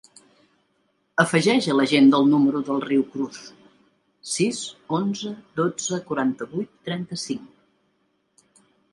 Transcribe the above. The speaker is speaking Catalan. Afegeix a l'agenda el número del Riu Cruz: sis, onze, dotze, quaranta-vuit, trenta-cinc.